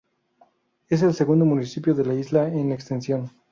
Es el segundo municipio de la isla en extensión.